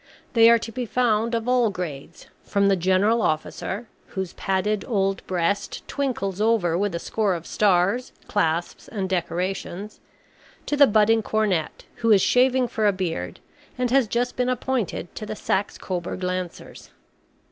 They are to be found of all grades, from the General Officer, whose padded old breast twinkles over with a score of stars, clasps, and decorations, to the budding cornet, who is shaving for a beard, and has just been appointed to the Saxe Coburg Lancers.